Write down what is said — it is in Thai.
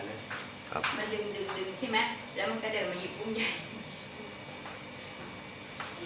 มาดึงดึงใช่ไหมแล้วมันก็เดินมาหยิบอุ้มใหญ่